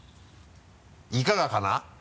いかがかな？